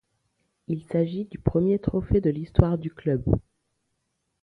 Il s'agit du premier trophée de l'histoire du club.